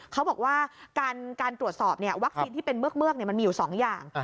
เขาบอกว่าการตรวจสอบวัคซีนที่เป็นเมือกมันมีอยู่๒อย่าง